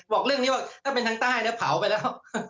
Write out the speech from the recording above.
บอกเรื่องนี้ว่าถ้าไปทางใต้เผาไปแล้ว